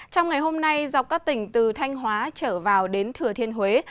trong ngày hôm nay dọc các tỉnh từ thanh hóa trở vào đến thừa thiên huế